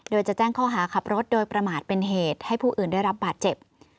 โดยจะแจ้งข้อหาขับรถโดยประมาทเป็นเหตุให้ผู้อื่นได้รับบาดเจ็บ